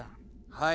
・はい。